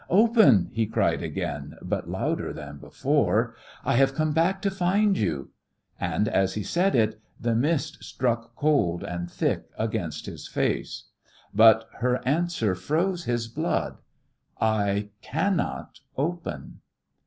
"Open!" he cried again, but louder than before. "I have come back to find you!" And as he said it the mist struck cold and thick against his face. But her answer froze his blood. "I cannot open."